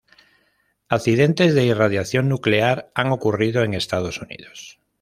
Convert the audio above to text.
Accidentes de irradiación nuclear han ocurrido en Estados Unidos.